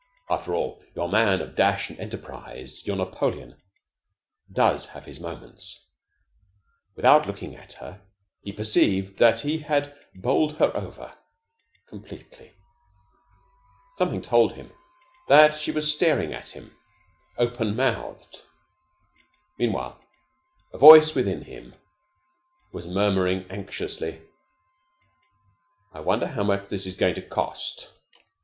After all, your man of dash and enterprise, your Napoleon, does have his moments. Without looking at her, he perceived that he had bowled her over completely. Something told him that she was staring at him, open mouthed. Meanwhile, a voice within him was muttering anxiously, "I wonder how much this is going to cost."